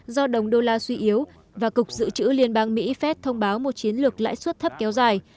do đồng usd suy yếu và cục dự trữ liên bang mỹ fed thông báo một chiến lược lãi suất thấp kéo dài